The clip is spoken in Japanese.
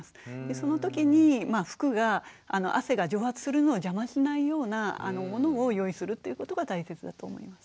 その時に服が汗が蒸発するのを邪魔しないようなものを用意するということが大切だと思います。